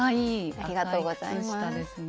ありがとうございます。